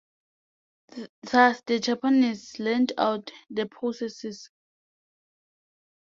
Thus the Japanese "leaned out" their processes.